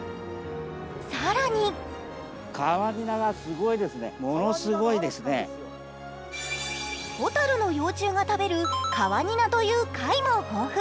更にほたるの幼虫が食べるカワニナという貝も豊富。